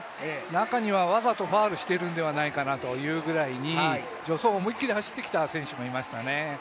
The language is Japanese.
中にはわざとファウルしているんではないかなというぐらいに助走を思い切り走ってきた選手もいましたね。